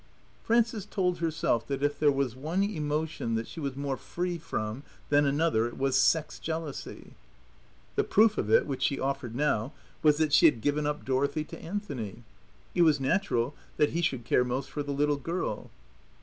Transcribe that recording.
Frances told herself that if there was one emotion that she was more free from than another it was sex jealousy. The proof of it, which she offered now, was that she had given up Dorothy to Anthony. It was natural that he should care most for the little girl.